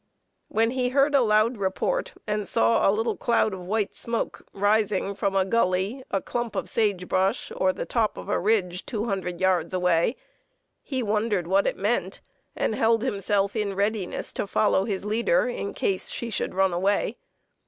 When he heard a loud report and saw a little cloud of white smoke rising from a gully, a clump of sage brash, or the top of a ridge, 200 yards away, he wondered what it meant, and held himself in readiness to follow his leader in case she should run away.